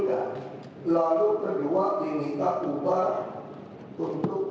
apakah yang dimaksud adalah